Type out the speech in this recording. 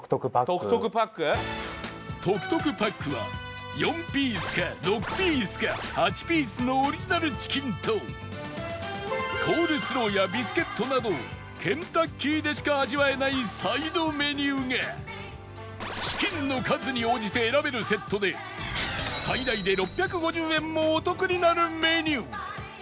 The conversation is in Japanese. トクトクパックは４ピースか６ピースか８ピースのオリジナルチキンとコールスローやビスケットなどケンタッキーでしか味わえないサイドメニューがチキンの数に応じて選べるセットで最大で６５０円もお得になるメニュー